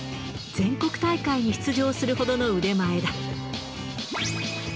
全国大会に出場するほどの腕前だ。